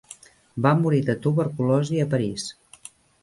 Va morir de tuberculosi a París.